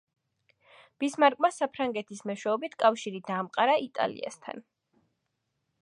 ბისმარკმა საფრანგეთის მეშვეობით კავშირი დაამყარა იტალიასთან.